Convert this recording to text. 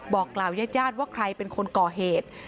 บอกกล่าวยาดว่าใครเป็นคนก่อเหตุ